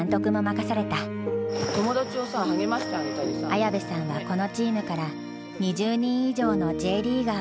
綾部さんはこのチームから２０人以上のＪリーガーを送り出した。